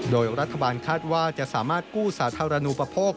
โดยรัฐบาลคาดว่าจะสามารถกู้สาธารณูปโภค